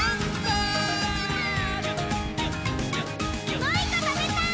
もう１こ、たべたい！